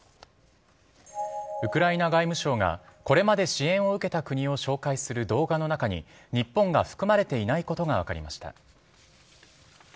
ウクライナ外務省が、これまで支援を受けた国を紹介する動画の中に、日本が含まれていないことが分かりました。